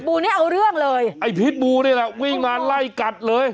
ูเนี้ยเอาเรื่องเลยไอ้พิษบูนี่แหละวิ่งมาไล่กัดเลย